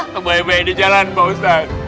semuanya baik di jalan pak ustadz